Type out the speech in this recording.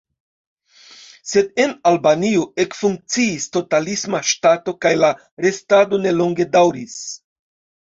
Sed en Albanio ekfunkciis totalisma ŝtato kaj la restado ne longe daŭris.